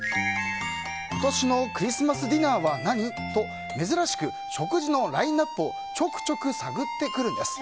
今年のクリスマスディナーは何？と珍しく食事のラインアップをちょくちょく探ってくるんです。